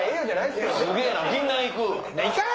すげぇな！